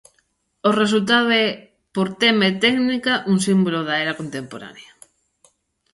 O resultado é por tema e técnica, un símbolo da era contemporánea.